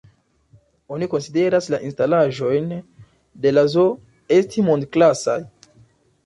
Oni konsideras la instalaĵojn de la zoo esti mond-klasaj.